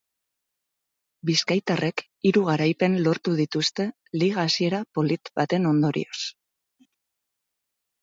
Bizkaitarrek hiru garaipen lortu dituzte liga hasiera polit baten ondorioz.